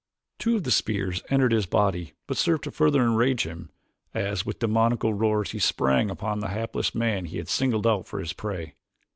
Two of the spears entering his body but served to further enrage him as, with demoniacal roars, he sprang upon the hapless man he had singled out for his prey.